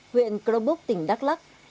huyện krobuk tỉnh đắk lắc